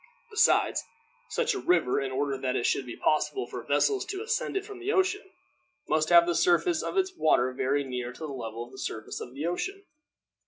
Besides, such a river, in order that it should be possible for vessels to ascend it from the ocean, must have the surface of its water very near the level of the surface of the ocean.